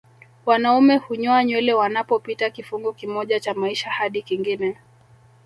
Wanaume hunyoa nywele wanapopita kifungu kimoja cha maisha hadi kingine